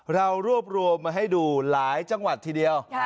เรารวบรวมมาให้ดูหลายจังหวัดทีเดียว